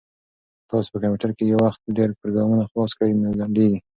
که تاسي په کمپیوټر کې په یو وخت ډېر پروګرامونه خلاص کړئ نو ځنډیږي.